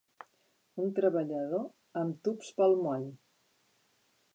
Un treballador amb tubs pel moll.